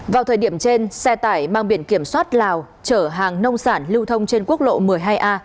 vào thời điểm trên xe tải mang biển kiểm soát lào chở hàng nông sản lưu thông trên quốc lộ một mươi hai a